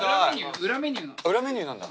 裏メニューなんだ。